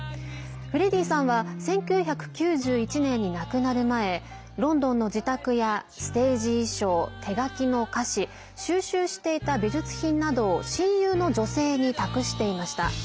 フレディさんは１９９１年に亡くなる前ロンドンの自宅やステージ衣装手書きの歌詞収集していた美術品などを親友の女性に託していました。